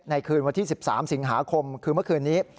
คืนวันที่๑๓สิงหาคมคือเมื่อคืนนี้